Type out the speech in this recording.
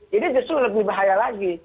justru lebih bahaya lagi